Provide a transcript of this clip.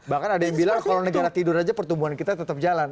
bahkan ada yang bilang kalau negara tidur aja pertumbuhan kita tetap jalan